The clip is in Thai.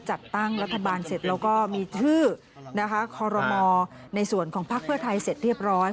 จัดตั้งรัฐบาลเสร็จแล้วก็มีชื่อนะคะคอรมอในส่วนของภักดิ์เพื่อไทยเสร็จเรียบร้อย